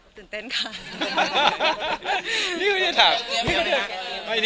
ตื่นเต้นไหม